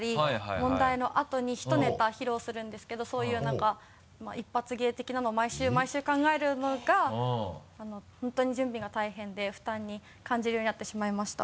問題の後にひとネタ披露するんですけどそういうなんか一発芸的なのを毎週毎週考えるのが本当に準備が大変で負担に感じるようになってしまいました。